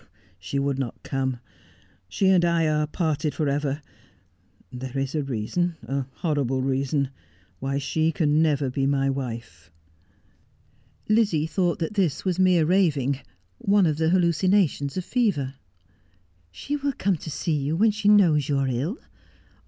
' She would not come. She and I are parted for ever. There is a reason — a horrible reason — why she can never be my wife.' Lizzie thought that this was mere raving — one of the hallu cinations of fever. ' She will come to see you when she knows you are ill.